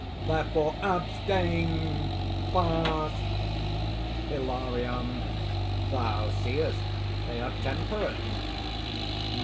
Therefore abstain! fast!" HILARION. "Thou seest, they are temperate!"